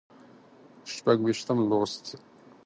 شپږ ویشتم لوست